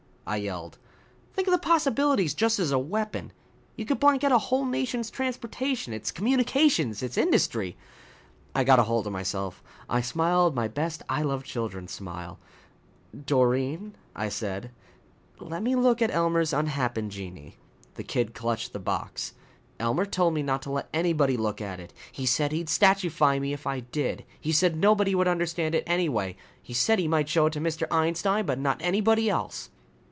I yelled. "Think of the possibilities just as a weapon! You could blank out a whole nation's transportation, its communications, its industry " I got hold of myself. I smiled my best I love children smile. "Doreen," I said, "let me look at Elmer's unhappen genii." The kid clutched the box. "Elmer told me not to let anybody look at it. He said he'd statuefy me if I did. He said nobody would understand it anyway. He said he might show it to Mr. Einstein, but not anybody else."